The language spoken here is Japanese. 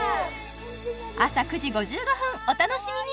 朝９時５５分お楽しみに！